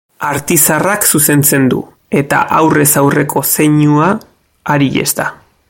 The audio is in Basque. Artizarrak zuzentzen du, eta aurrez aurreko zeinua Aries da.